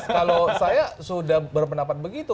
kalau saya sudah berpendapat begitu